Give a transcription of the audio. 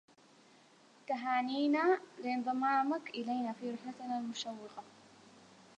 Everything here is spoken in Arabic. تهانينا لانضمامك إلينا في رحلتنا المشوقة